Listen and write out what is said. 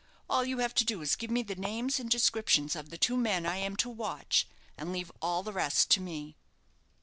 All you have to do is to give me the names and descriptions of the two men I am to watch, and leave all the rest to me."